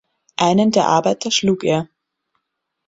Einen der Arbeiter schlug er.